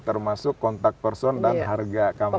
termasuk kontak person dan harga kamar